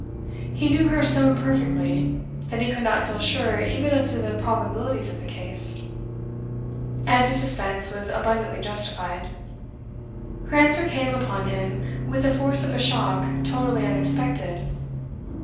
He knew her so imperfectly, that he could not feel sure even as to the probabilities of the case. And his suspense was abundantly justified. Her answer came upon him with the force of a shock totally unexpected.